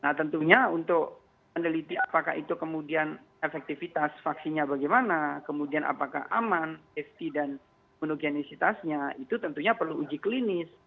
nah tentunya untuk meneliti apakah itu kemudian efektivitas vaksinnya bagaimana kemudian apakah aman safety dan monogenisitasnya itu tentunya perlu uji klinis